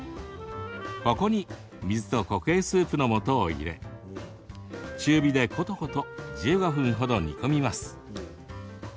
ここに水と固形スープのもとを入れ中火でことこと１５分ほど煮込みます。